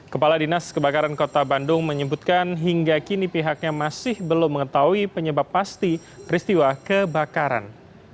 kepala dinas kebakaran kota bandung menyebutkan hingga kini pihaknya masih belum mengetahui penyebab pasti peristiwa kebakaran